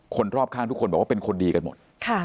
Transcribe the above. คนรอบข้างทุกคนบอกว่าเป็นคนดีกันหมด